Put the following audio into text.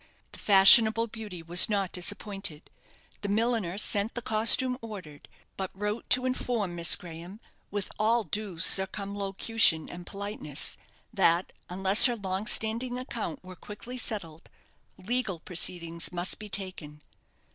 The fashionable beauty was not disappointed. The milliner sent the costume ordered, but wrote to inform Miss Graham, with all due circumlocution and politeness, that, unless her long standing account were quickly settled, legal proceedings must be taken.